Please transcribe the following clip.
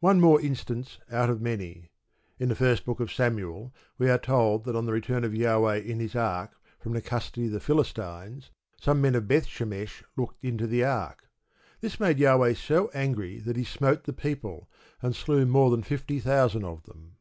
One more instance out of many. In the First Book of Samuel we are told that on the return of Jahweh in his ark from the custody of the Philistines some men of Bethshemesh looked into the ark. This made Jahweh so angry that he smote the people, and slew more than fifty thousand of them.